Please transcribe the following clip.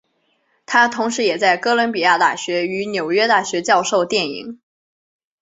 他同时也在哥伦比亚大学与纽约大学教授电影。